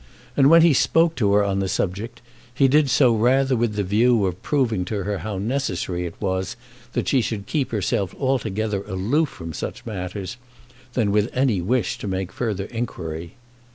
And when he spoke to her on the subject, he did so rather with the view of proving to her how necessary it was that she should keep herself altogether aloof from such matters, than with any wish to make further inquiry.